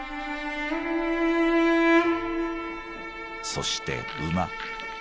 そして馬。